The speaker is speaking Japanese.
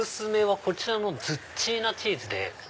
こちらのずっちーなチーズで。